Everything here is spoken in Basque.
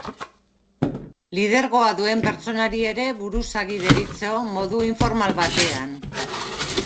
Lidergoa duen pertsonari ere buruzagi deritzo, modu informal batean.